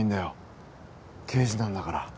刑事なんだから。